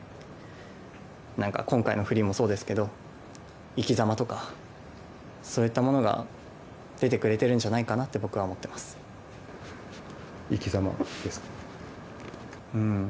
なんか今回のフリーもそうですけど生きざまとかそういったものが出てくれてるんじゃないかなって生きざまですか。